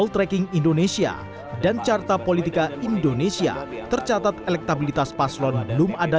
saving indonesia dan cara pohit langit indonesia tersakat elektabilitas paslon dan belum ada